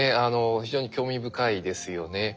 非常に興味深いですよね。